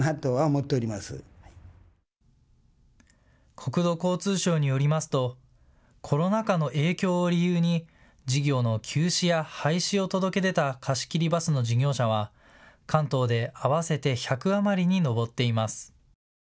国土交通省によりますとコロナ禍の影響を理由に事業の休止や廃止を届け出た貸し切りバスの事業者は関東で合わせて１００余りに上っています。